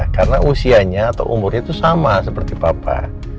karena usianya atau umurnya itu sama seperti papa